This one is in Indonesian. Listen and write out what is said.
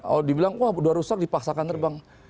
kalau dibilang wah udah rusak dipaksakan terbang